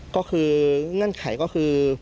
ก็คือเงื่อนไขก็คือ